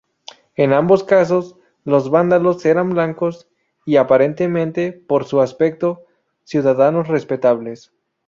En ambos casos, los vándalos eran blancos y, aparentemente, por su aspecto, ciudadanos respetables.